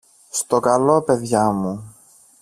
Στο καλό, παιδιά μου.